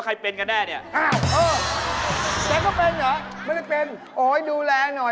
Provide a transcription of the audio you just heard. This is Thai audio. คุณค่ะต้องจะไปดูแห้งร้าน